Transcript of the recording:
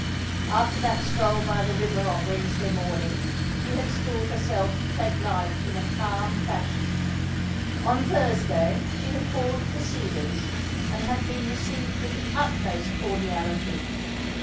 After that stroll by the river on Wednesday morning she had schooled herself to take life in a calm fashion. On Thursday she had called at The Cedars, and had been received with the utmost cordiality.